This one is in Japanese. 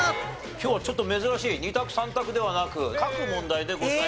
今日はちょっと珍しい２択３択ではなく書く問題でございます。